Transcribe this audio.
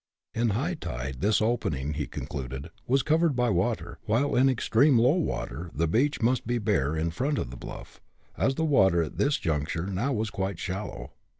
In high tide, this opening, he concluded, was covered by water, while in extreme low water the beach must be bare in front of the bluff, as the water at this juncture now was quite shallow.